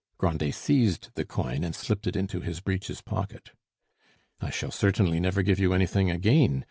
Grandet seized the coin and slipped it into his breeches' pocket. "I shall certainly never give you anything again.